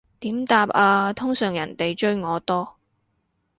點答啊，通常人哋追我多